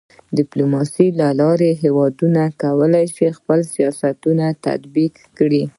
د ډيپلوماسۍ له لارې هېوادونه کولی سي خپل سیاستونه تطبیق کړي.